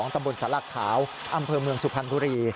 ตำบลสลักขาวอำเภอเมืองสุพรรณบุรี